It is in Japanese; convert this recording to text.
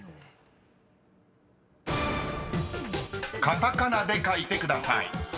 ［カタカナで書いてください］